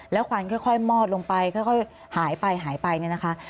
แล้วควันค่อยมอดลงไปค่อยหายไปหายไปเนี่ยนะคะ